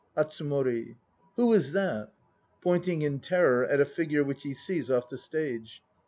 ATSUMORI. Who is that? (Pointing in terror at a figure which he sees off the stage.)